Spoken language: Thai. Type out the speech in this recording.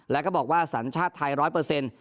แล้วก็บอกว่าสัญชาติไทยร้อยเปอร์เซ็นต์